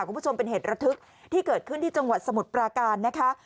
คุณผู้ชมเป็นเหตุระทึกที่เกิดขึ้นที่จังหวัดสมุทรปราการนะคะ